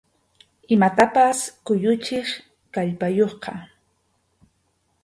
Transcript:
Imatapas kuyuchiq kallpayuqqa.